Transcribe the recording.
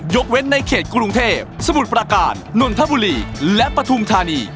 เว้นในเขตกรุงเทพสมุทรประการนนทบุรีและปฐุมธานี